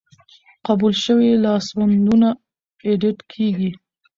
قبول شوي لاسوندونه ایډیټ کیږي.